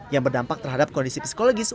yang berdampak terhadap kondisi psikologis